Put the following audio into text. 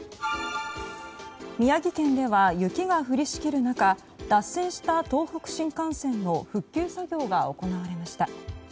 宮城県では雪が降りしきる中脱線した東北新幹線の復旧作業が行われました。